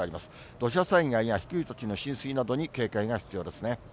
土砂災害や低い土地の浸水などに警戒が必要ですね。